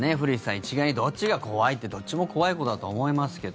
一概にどっちが怖いってどっちも怖いことだと思いますけど。